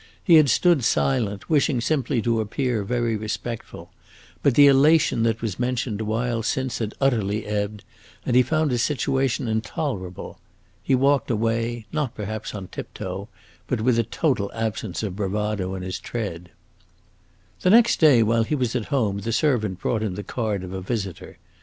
He had stood silent, wishing simply to appear very respectful; but the elation that was mentioned a while since had utterly ebbed, and he found his situation intolerable. He walked away not, perhaps, on tiptoe, but with a total absence of bravado in his tread. The next day, while he was at home, the servant brought him the card of a visitor.